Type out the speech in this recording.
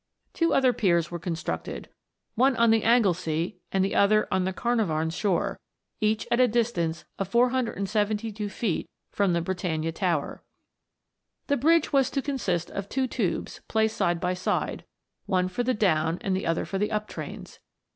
Two other piers were constructed, one on the Anglesey, and the other on the Carnarvon shore, each at a distance of 472 feet from the Britannia tower. The bridge was to consist of two tubes, placed side by side, one for the down and the other for the up trains.